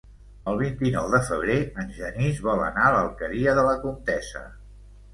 El vint-i-nou de febrer en Genís vol anar a l'Alqueria de la Comtessa.